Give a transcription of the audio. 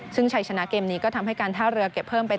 ซึ่งชัยชนะเกมนี้ก็ทำให้การท่าเรือเก็บเพิ่มเป็น